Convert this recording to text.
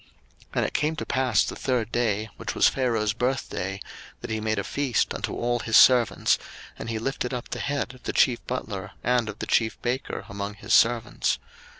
01:040:020 And it came to pass the third day, which was Pharaoh's birthday, that he made a feast unto all his servants: and he lifted up the head of the chief butler and of the chief baker among his servants.